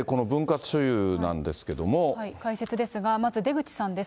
解説ですが、まず出口さんです。